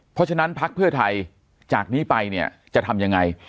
เพราะฉะนั้นพักเพื่อไทยจากนี้ไปเนี่ยจะทำยังไง